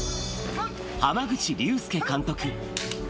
濱口竜介監督。